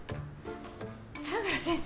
相良先生。